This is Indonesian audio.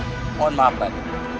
mohon maaf untuk kalian